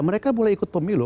mereka boleh ikut pemilu